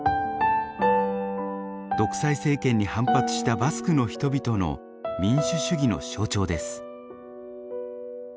独裁政権に反発したバスクの人々の民主主義の象徴です。